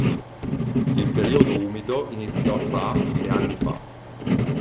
Il periodo umido iniziò tra e anni fa.